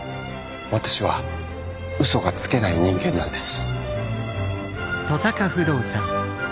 私は嘘がつけない人間なんです。